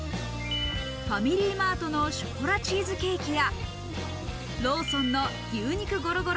ファミリーマートのショコラチーズケーキや、ローソンの牛肉ごろごろ！